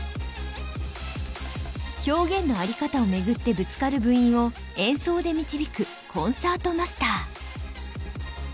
表現のあり方を巡ってぶつかる部員を演奏で導くコンサートマスター。